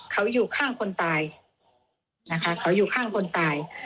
เขาอยู่ข้างคนตายนะคะเขาอยู่ข้างคนตาย